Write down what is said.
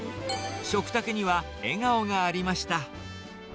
食卓には笑顔がありました。